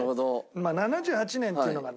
まあ７８年っていうのがね